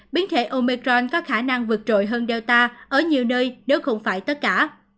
biến thể omecron có khả năng vượt trội hơn delta ở nhiều nơi nếu không phải tất cả